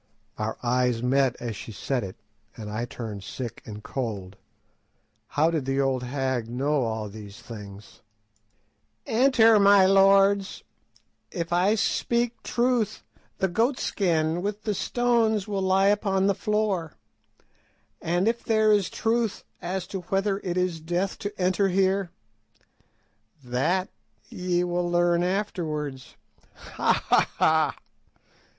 Our eyes met as she said it, and I turned sick and cold. How did the old hag know all these things? "Enter, my lords. If I speak truth, the goat skin with the stones will lie upon the floor; and if there is truth as to whether it is death to enter here, that ye will learn afterwards. _Ha! ha! ha!